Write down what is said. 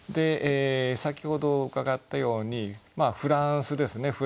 先ほど伺ったようにフランスですね